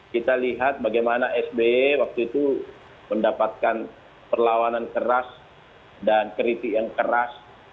kita lihat bagaimana sby waktu itu mendapatkan perlawanan keras dan kritik yang keras